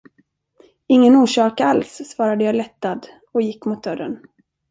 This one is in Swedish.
Ingen orsak alls, svarade jag lättad och gick mot dörren.